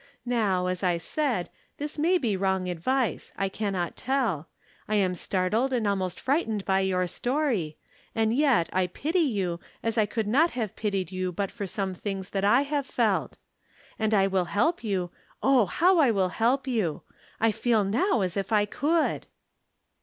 Now, as I said, this may be wrong advice. I can not teU. I am startled and al most frightened by your story, and yet I pity you as I could not have pitied you but for some things that I have felt. And I wUl help you, oh, how I will help you ! I feel now as if I could."